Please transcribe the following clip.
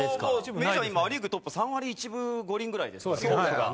メジャー今ア・リーグトップ３割１分５厘ぐらいですからトップが。